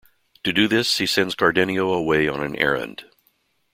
To do this, he sends Cardenio away on an errand.